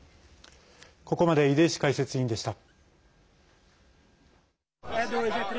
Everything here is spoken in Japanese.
ここまで出石解説委員でした。